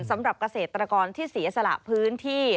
สำหรับเกษตรกรที่เสียสละพื้นที่